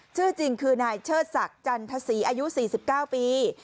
ชื่อจริงคือนายเชิดศักดิ์จันทศรีอายุ๔๙ปี